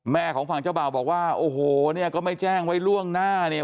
ของฝั่งเจ้าบ่าวบอกว่าโอ้โหเนี่ยก็ไม่แจ้งไว้ล่วงหน้าเนี่ย